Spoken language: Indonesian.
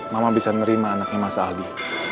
mama bisa nerima anaknya mas aldi